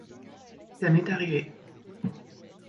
Ça m’est arrivé.